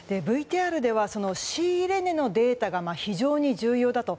ＶＴＲでは仕入れ値のデータが非常に重要だと。